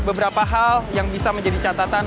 beberapa hal yang bisa menjadi catatan